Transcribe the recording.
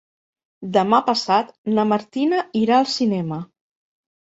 Demà passat na Martina irà al cinema.